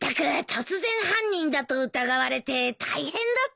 突然犯人だと疑われて大変だったよ。